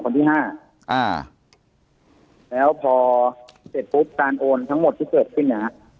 คนที่๕แล้วพอเสร็จปุ๊บการโอนทั้งหมดที่เกิดขึ้นนะ